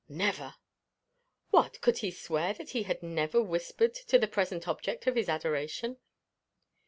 Never. What; could he swear that he had never whispered to the present object of his adoration?